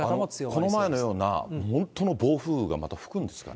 この前のような本当の暴風がまた吹くんですかね？